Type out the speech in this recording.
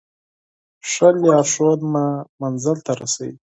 ښه لارښود مو منزل ته رسوي.